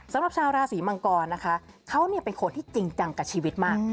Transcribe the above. สำหรับชาวราศีมังกรนะคะเขาเป็นคนที่จริงจังกับชีวิตมาก